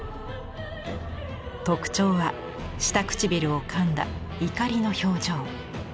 特徴は下唇をかんだ怒りの表情。